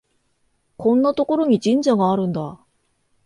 こんなところに神社があるんだ